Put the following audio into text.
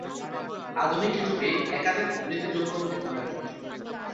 আধুনিক যুগে একাধিক উল্লেখযোগ্য উন্নয়ন ঘটে।